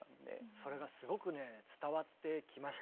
それがすごくね伝わってきました。